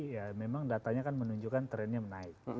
ya memang datanya kan menunjukkan trennya menaik